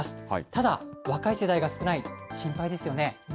ただ、若い世代が少ないと心配ですよね。